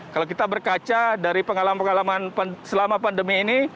kalau kita berkaca dari pengalaman pengalaman selama pandemi ini